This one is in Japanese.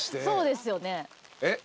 そうですよね。